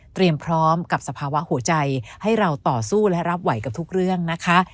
พร้อมกับสภาวะหัวใจให้เราต่อสู้และรับไหวกับทุกเรื่องนะคะ